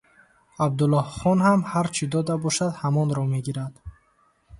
Абдуллоҳхон ҳам ҳар чӣ дода бошад, ҳамонро мегирад.